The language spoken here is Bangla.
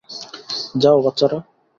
যাও, বাচ্চারা!